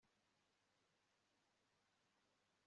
impa kumenya intangiriro n'iherezo by'ibihe